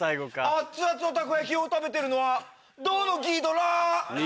熱々のたこ焼きを食べてるのはどのギドラ？